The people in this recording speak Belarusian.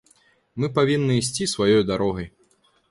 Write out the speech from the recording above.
Мы павінны ісці сваёй дарогай.